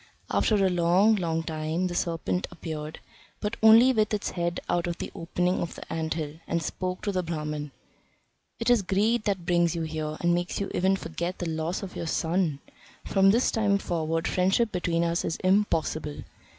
After a long, long time the serpent appeared, but only with its head out of the opening of the ant hill, and spoke to the Brahman: "'Tis greed that brings you here, and makes you even forget the loss of your son. From this time forward friendship between us is impossible.